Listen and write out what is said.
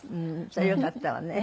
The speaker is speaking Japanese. それはよかったわね。